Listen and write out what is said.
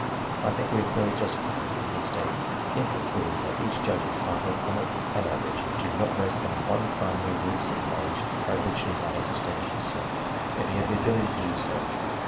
I think we are fairly justified, from these data, in concluding that each judge is father, on an average, to not less than one son who lives to an age at which he might have distin guished himself, if he had the ability to do so.